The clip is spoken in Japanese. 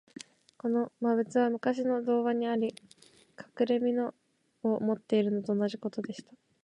この魔物は、むかしの童話にある、かくれみのを持っているのと同じことでした。